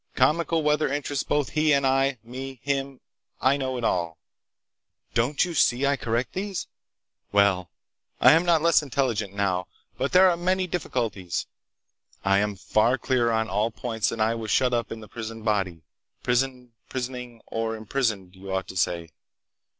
Comical weather interests both he and I—me—him—I know it all. Don't you see I correct these? Well, I am not less intelligent now. But there are many difficulties. I am far clearer on all points than I was shut up in the prisoned body (prisoned, prisoning or imprisoned you ought to say).